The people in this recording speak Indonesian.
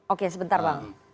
oke sebentar bang